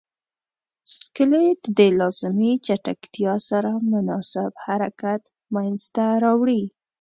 سکلیټ د لازمې چټکتیا سره مناسب حرکت منځ ته راوړي.